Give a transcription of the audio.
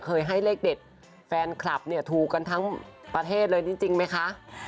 ให้เลขเด็ดแฟนคลับเนี่ยถูกกันทั้งประเทศเลยจริงไหมคะ